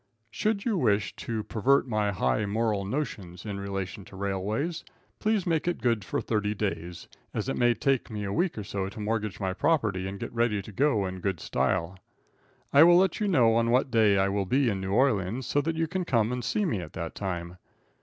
Should you wish to pervert my high moral notions in relation to railways, please make it good for thirty days, as it may take me a week or so to mortgage my property and get ready to go in good style. I will let you know on what day I will be in New Orleans, so that you can come and see me at that time.